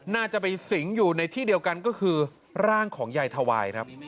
น่าจะไปสิงอยู่ในที่เดียวกันก็คือร่างของยายทวายครับ